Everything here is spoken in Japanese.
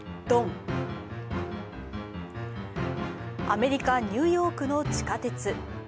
アメリカ・ニューヨークの地下鉄。